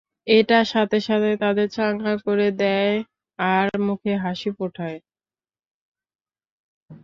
এটা সাথে সাথে তাদের চাঙ্গা করে দেয় আর মুখে হাসি ফোটায়।